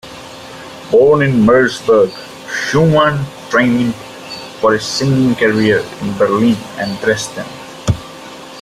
Born in Merseburg, Schumann trained for a singing career in Berlin and Dresden.